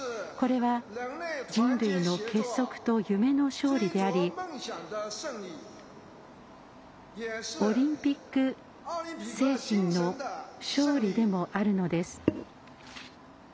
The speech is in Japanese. これは人類の結束と夢の勝利でありオリンピック精神の勝利でもあるのです。